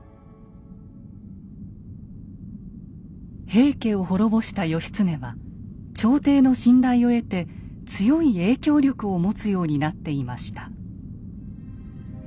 平家を滅ぼした義経は朝廷の信頼を得て強い影響力を持つようになっていました。